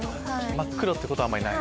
真っ黒ってことはあんまりない？